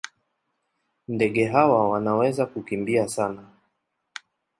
Ndege hawa wanaweza kukimbia sana.